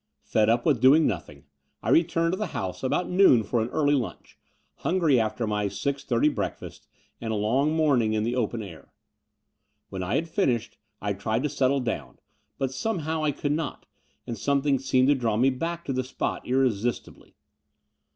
Fed up with doing nothing, I returned to the house about noon for an early lunch, hungry after my six thirty breakfast and long morning in the open air. When I had finished I tried to settle down, but somehow I could not; and something seemed to draw me back to the spot irresistibly.